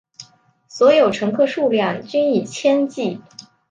所有乘客数量均以千计。